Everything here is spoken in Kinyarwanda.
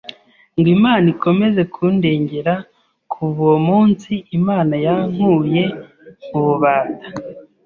ngo Imana ikomeze kundengera kuva uwo munsi Imana yankuye mu bubata